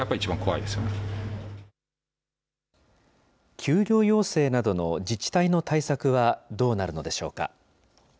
休業要請などの自治体の対策はどうなるのでしょうか。